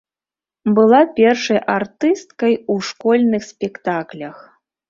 Была першай артысткай у школьных спектаклях.